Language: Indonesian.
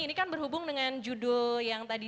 ini kan berhubung dengan judul yang tadi